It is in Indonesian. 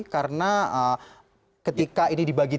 karena ketika ini diberikan